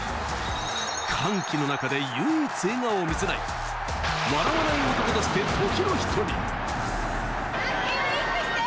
歓喜の中で唯一笑顔を見せない、笑わない男として時の人に。